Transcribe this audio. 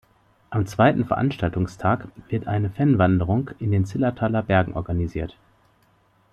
Am zweiten Veranstaltungstag wird eine Fan-Wanderung in den Zillertaler Bergen organisiert.